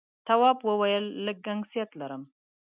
تواب وويل: لږ گنگسیت لرم.